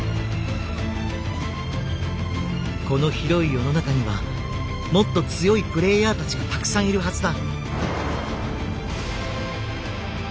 この広い世の中にはもっと強いプレイヤーたちがたくさんいるはずだ。